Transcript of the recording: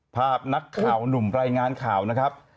ภาพนักข่าวหนุ่มรายงานข่าวนะครับ